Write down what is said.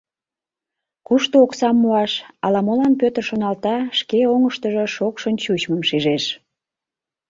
«Кушто оксам муаш?» — ала-молан Пӧтыр шоналта, шке оҥыштыжо шокшын чучмым шижеш.